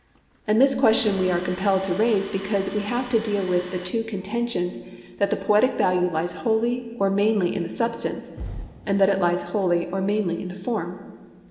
And this question we are compelled to raise, because we have to deal with the two contentions that the poetic value lies wholly or mainly in the substance, and that it lies wholly or mainly in the form.